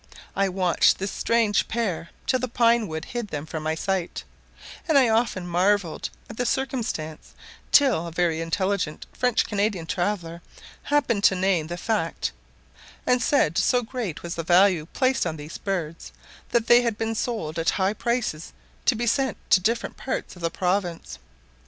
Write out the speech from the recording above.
I watched this strange pair till the pine wood hid them from my sight; and I often marvelled at the circumstance, till a very intelligent French Canadian traveller happened to name the fact, and said so great was the value placed on these birds, that they had been sold at high prices to be sent to different parts of the province.